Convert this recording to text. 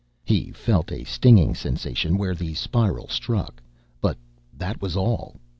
He felt a stinging sensation where the spiral struck, but that was all.